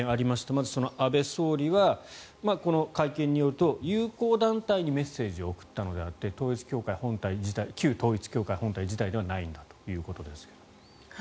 まず安倍元総理は会見によると友好団体にメッセージを送ったのであって旧統一教会本体自体ではないんだということですが。